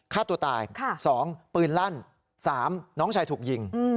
ฆ่าตัวตาย๒ปืนลั่น๓น้องชายถูกยิง